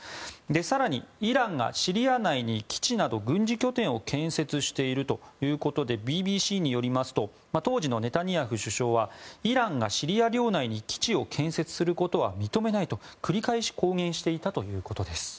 更に、イランがシリア内に基地など軍事拠点を建設しているということでＢＢＣによりますと当時のネタニヤフ首相はイランがシリア領内に基地を建設することは認めないと、繰り返し公言していたというわけです。